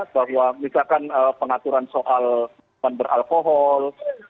bahwa misalkan pengaturan soal penberalkohol